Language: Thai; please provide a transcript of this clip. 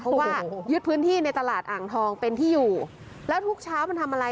เพราะว่ายึดพื้นที่ในตลาดอ่างทองเป็นที่อยู่แล้วทุกเช้ามันทำอะไร